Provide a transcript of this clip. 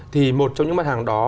thì một trong những mặt hàng đó